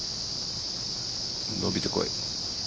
伸びてこい。